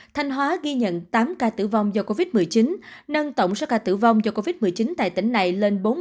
thành hóa ghi nhận tám ca tử vong do covid một mươi chín nâng tổng số ca tử vong do covid một mươi chín tại tỉnh này lên